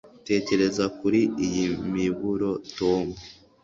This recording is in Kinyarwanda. Tekereza kuri iyi miburo Tom